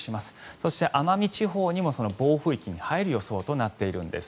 そして、奄美地方も暴風域に入る予想となっているんです。